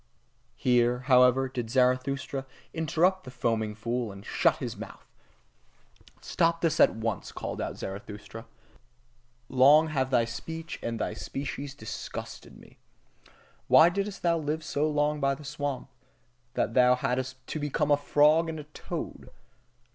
Here, however, did Zarathustra interrupt the foaming fool, and shut his mouth. Stop this at once! called out Zarathustra, long have thy speech and thy species disgusted me! Why didst thou live so long by the swamp, that thou thyself hadst to become a frog and a toad?